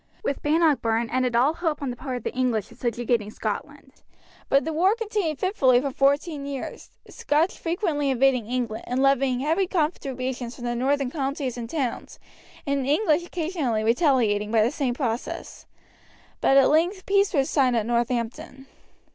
With Bannockburn ended all hope on the part of the English of subjugating Scotland; but the war continued fitfully for fourteen years, the Scotch frequently invading England and levying heavy contributions from the northern counties and towns, and the English occasionally retaliating by the same process; but at length peace was signed at Northampton.